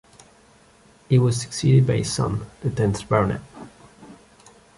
He was succeeded by his son, the tenth Baronet.